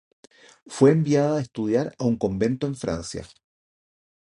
Fue enviada a estudiar a un convento en Francia.